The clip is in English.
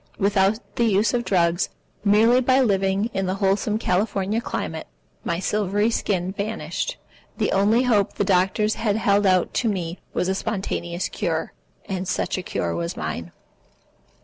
Without the use of drugs, merely by living in the wholesome California climate, my silvery skin vanished. The only hope the doctors had held out to me was a spontaneous cure, and such a cure was mine.